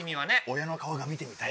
親の顔が見てみたい。